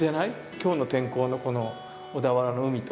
今日の天候のこの小田原の海と。